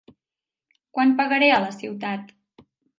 Quant pagaré a la ciutat?